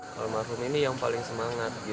petualangan noval berakhir